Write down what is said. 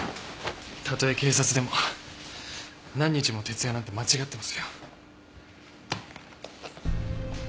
たとえ警察でも何日も徹夜なんて間違ってますよ。